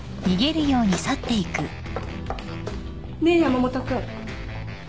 ねえ山本君。